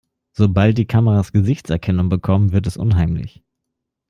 Sobald die Kameras Gesichtserkennung bekommen, wird es unheimlich.